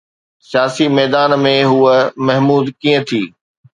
سياسي ميدان ۾ هوءَ محمود ڪيئن ٿي؟